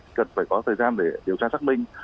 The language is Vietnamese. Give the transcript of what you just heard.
cần phải có thời gian để điều tra xác minh